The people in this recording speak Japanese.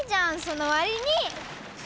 そのわりに！